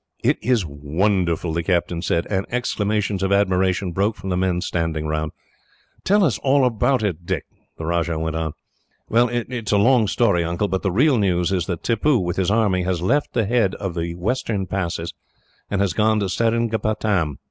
"It is wonderful," the captain said; and exclamations of admiration broke from the men standing round. "Tell us all about it, Dick," the Rajah went on. "It is a long story, Uncle; but the real news is that Tippoo, with his army, has left the head of the western passes, and has gone to Seringapatam.